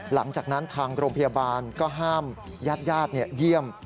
หลังจากนั้นทางโรงพยาบาลก็ห้ามญาติเยี่ยม